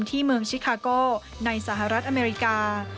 ที่เมืองชิคาโก้ในสหรัฐอเมริกา